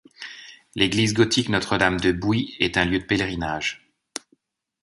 L'église gothique Notre-Dame de Bouit est un lieu de pèlerinage.